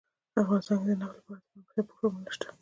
افغانستان کې د نفت لپاره دپرمختیا پروګرامونه شته.